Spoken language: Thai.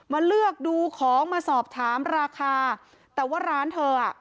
มาเลือกดูของมาสอบถามราคาแต่ว่าร้านเธออ่ะ